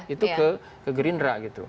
itu ke gerindra